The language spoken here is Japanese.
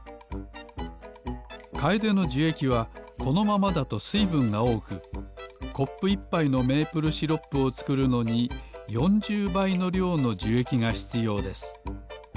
カエデのじゅえきはこのままだとすいぶんがおおくコップ１ぱいのメープルシロップをつくるのに４０ばいのりょうのじゅえきがひつようです。